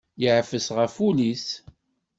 Yeɛfes ɣef wul-is.